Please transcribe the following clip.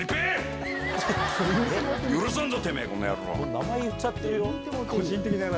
名前言っちゃってるよ？